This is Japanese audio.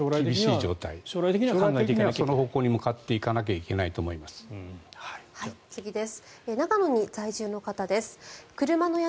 将来的にはその方向に向かっていかなきゃいけないと思います。